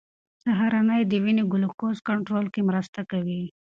سهارنۍ د وینې ګلوکوز کنټرول کې مرسته کوي.